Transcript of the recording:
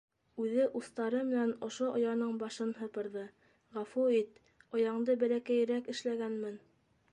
Үҙе устары менән ошо ояның башын һыпырҙы, - ғәфү ит, ояңды бәләкәйерәк эшләгәнмен.